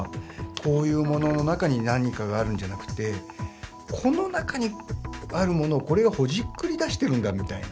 こういうものの中に何かがあるんじゃなくてこの中にあるものをこれがほじくり出してるんだみたいな。